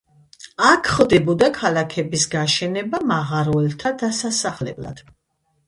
აქ ხდებოდა ქალაქების გაშენება მაღაროელთა დასასახლებლად.